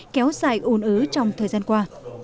kéo dài ôn ứ trong thời gian qua